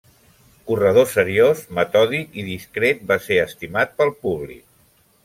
Corredor seriós metòdic i discret va ser estimat pel públic.